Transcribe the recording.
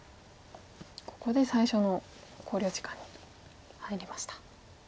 ここで最初の考慮時間に入りました。